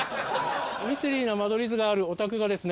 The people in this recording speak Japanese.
ミステリーな間取りのあるお宅がですね